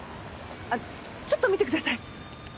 ちょっと見てください。